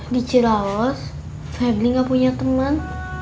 di cilaos febri gak punya teman